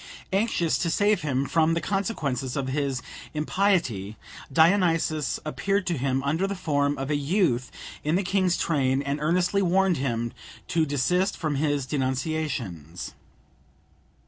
Anxious to save him from the consequences of his impiety, Dionysus appeared to him under the form of a youth in the king's train, and earnestly warned him to desist from his denunciations.